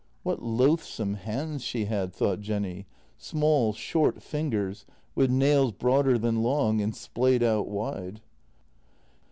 What loathsome hands she had, thought Jenny — small, short fingers, with nails broader than long, and splayed out wide.